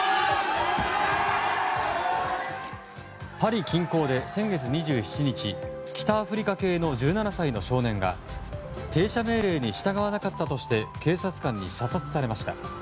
パリ近郊で先月２７日北アフリカ系の１７歳の少年が停車命令に従わなかったとして警察官に射殺されました。